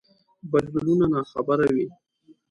بدلونونو ناخبره وي.